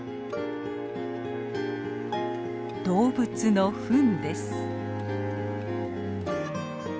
動物のふんです。